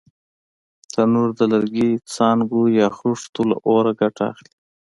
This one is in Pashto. تنور د لرګي، څانګو یا خښتو له اوره ګټه اخلي